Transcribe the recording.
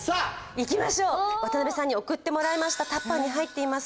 いきましょう渡辺さんに送ってもらいましたタッパーに入っています